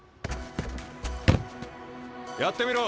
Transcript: やってみろ。